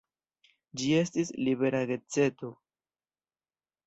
Ĝi estis "libera geedzeco".